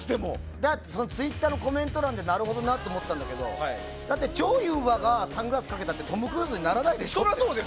ツイッターのコメント欄でなるほどなって思ったんだけどチョウ・ユンファがサングラスかけたってトム・クルーズにならないでしょ。